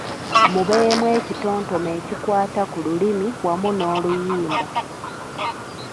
Mubeemu ekitontome ekikwata ku lulimi wamu n’oluyimba.